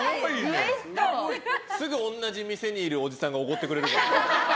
すぐ同じ店にいるおじさんがおごってくれるよ。